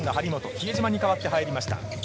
比江島に代わって入りました。